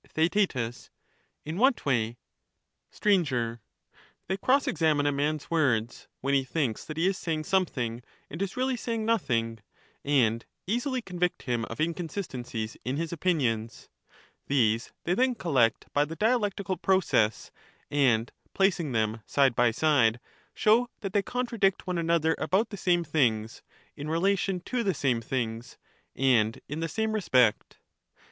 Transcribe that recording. Theaet. In what way? Str. They cross examine a man's words, when he thinks that he is saying something and is really saying nothing, and easily convict him of inconsistencies in his opinions ; these they then collect by the dialectical process, and placing them side by side, show that they contradict one another about the same things, in relation to the same things, and in the same respect.